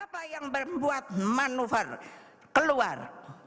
apa yang membuat manuver keluar